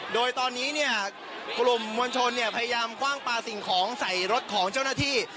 โดยตอนนี้เนี่ยกลุ่มมวลชนเนี่ยพยายามคว่างปลาสิ่งของใส่รถของเจ้าหน้าที่